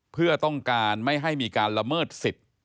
เพื่อต้องการไม่ให้มีการละเมิดสิทธิ์